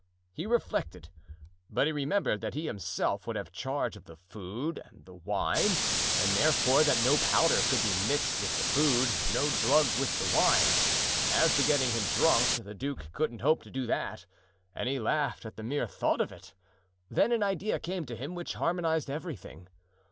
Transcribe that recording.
He reflected, but he remembered that he himself would have charge of the food and the wine and therefore that no powder could be mixed with the food, no drug with the wine. As to getting him drunk, the duke couldn't hope to do that, and he laughed at the mere thought of it. Then an idea came to him which harmonized everything.